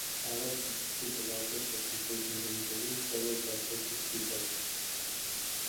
Arabs constitute the largest ethnic group in the Middle East, followed by Turkic people.